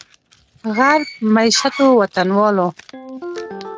غرب میشتو وطنوالو